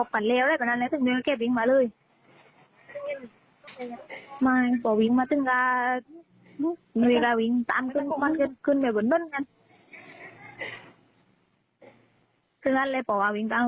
พวกเราวิ่งมาจากที่หน้าสะทัด